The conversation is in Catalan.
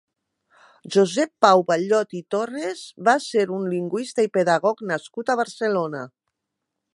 Josep Pau Ballot i Torres va ser un lingüista i pedagog nascut a Barcelona.